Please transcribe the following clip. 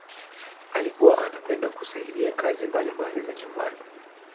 alikuwa anapenda kusaidia kazi mbalimbali za nyumbani